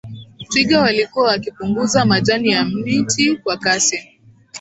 twiga walikuwa wakipunguza majani ya miti kwa kasi